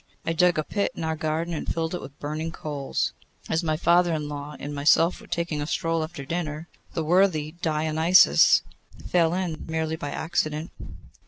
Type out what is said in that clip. I dug a pit in our garden, and filled it with burning coals. As my father in law and myself were taking a stroll after dinner, the worthy Deioneus fell in, merely by accident.